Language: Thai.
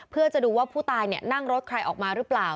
เพื่อจะดูว่าผู้ตายนั่งรถใครออกมาหรือเปล่า